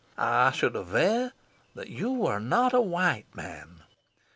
I should aver that you were not a white man.